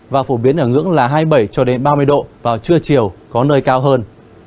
và phổ biến ở ngưỡng là hai mươi bảy cho đến ba mươi độ vào trưa chiều có nơi cao hơn